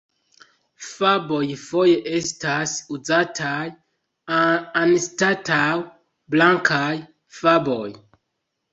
Faboj foje estas uzataj anstataŭ blankaj faboj.